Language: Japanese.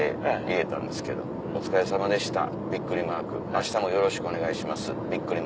明日もよろしくお願いします！」。